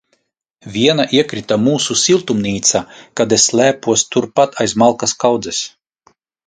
Viena iekrita mūsu siltumnīcā, kad es slēpos turpat aiz malkas kaudzes.